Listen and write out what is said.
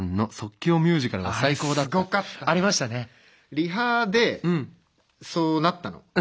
リハでそうなったの。